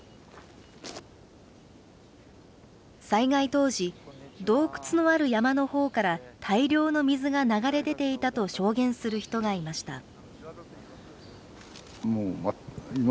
災害当時、洞窟のある山のほうから、大量の水が流れ出ていたと証言する人がいました。